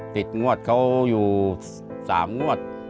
งวดเขาอยู่๓งวด